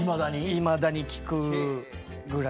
いまだに聴くぐらいの。